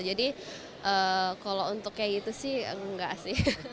jadi kalau untuk kayak gitu sih nggak sih